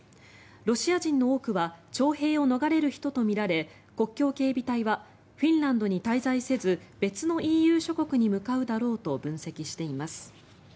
ロシア人の多くは徴兵を逃れる人とみられ国境警備隊はフィンランドに滞在せず別のＥＵ諸国に向かうだろうと分析しています。